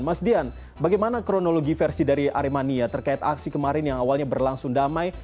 mas dian bagaimana kronologi versi dari aremania terkait aksi kemarin yang awalnya berlangsung damai